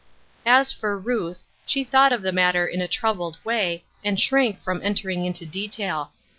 As for Ruth, she thought of the matter in a troubled way, and shrank from entering into detail.